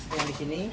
sedang di sini